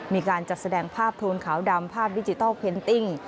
มีการจัดแสดงภาพโทนขาวดำภาพดิจิทัลเพนติ้ง